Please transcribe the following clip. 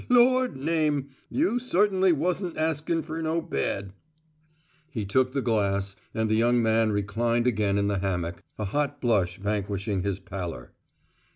"Lord name! You cert'n'y wasn't askin' fer no bed!" He took the glass, and the young man reclined again in the hammock, a hot blush vanquishing his pallor.